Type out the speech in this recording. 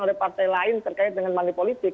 oleh partai lain terkait dengan money politik